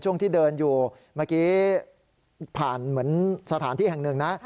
เมื่อกี้ผ่านสถานที่แห่ง๑